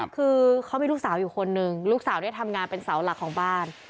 คือเขามีลูกสาวอยู่คนนึงลูกสาวได้ทำงานเป็นเสาหลักของบ้าน